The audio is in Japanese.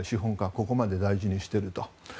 ここまで大事にしていると。